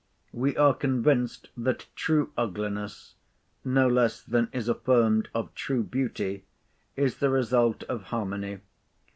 We are convinced that true ugliness, no less than is affirmed of true beauty, is the result of harmony.